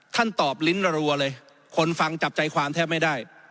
ท่านตอบลิ้นรัวเลยคนฟังจับใจความแทบไม่ได้